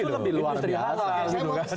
itu lebih luar biasa